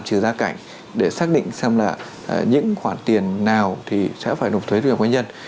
giảm trừ gia cảnh để xác định xem là những khoản tiền nào thì sẽ phải nộp thuế thu nhập cá nhân